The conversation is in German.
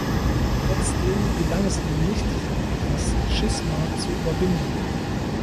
Trotzdem gelang es ihm nicht, das Schisma zu überwinden.